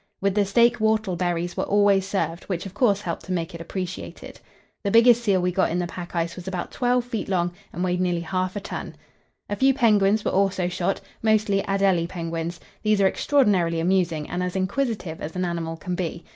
With the steak whortleberries were always served, which of course helped to make it appreciated. The biggest seal we got in the pack ice was about 12 feet long, and weighed nearly half a ton. A few penguins were also shot, mostly Adélie penguins; these are extraordinarily amusing, and as inquisitive as an animal can be.